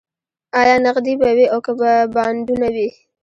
ایا نغدې به وي او که به بانډونه وي